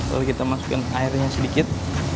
lalu kita masukin airnya sedikit